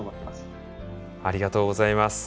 ありがとうございます。